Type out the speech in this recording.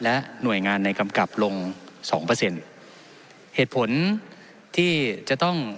และหน่วยงานในกำกับลงสองเปอร์เซ็นต์เหตุผลที่จะต้อง